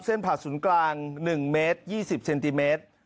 เส้นผลัดศูนย์กลาง๑เมตร๒๐เซนติเมตร